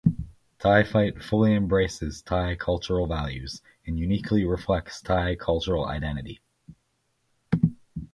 Thai Fight fully embraces Thai cultural values and uniquely reflects Thai cultural identity.